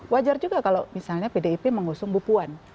wajar juga kalau misalnya pdip mengusung bupuan